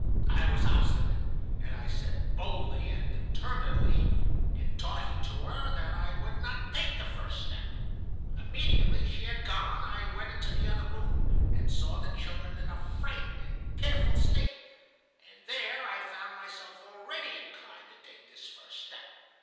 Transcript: I was obstinate, and I said boldly and determinedly, in talking to her, that I would not take the first step. Immediately she had gone I went into the other room, and saw the children in a frightened and pitiful state, and there I found myself already inclined to take this first step.